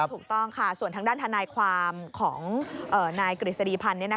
ถูกต้องค่ะส่วนทางด้านทนายความของนายกฤษฎีพันธ์